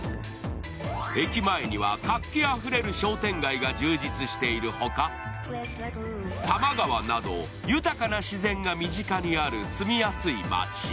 駅前には活気あふれる商店街が充実している他、多摩川など豊かな自然が身近にある住みやすい街。